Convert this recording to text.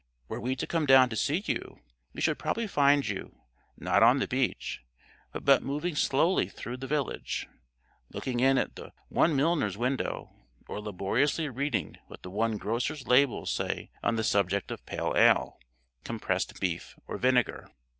Were we to come down to see you, we should probably find you, not on the beach, but moving slowly through the village, looking in at the one milliner's window, or laboriously reading what the one grocer's labels say on the subject of pale ale, compressed beef, or vinegar.